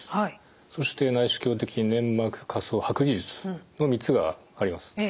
そして内視鏡的粘膜下層剥離術の３つがあります。